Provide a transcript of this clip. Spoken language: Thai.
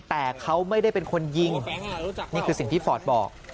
แต่เขาไม่ได้เป็นคนยิงนี่คือสิ่งที่ฟอร์ดบอก